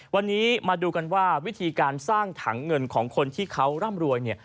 วันนี้มาดูกันว่าวิธีการสร้างถังเงินของคนที่เขาร่ำรวยเนี่ย